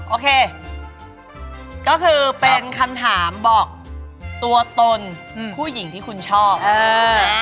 โอเคก็คือเป็นคำถามบอกตัวตนผู้หญิงที่คุณชอบเออ